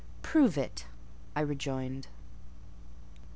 "Prove it," I rejoined.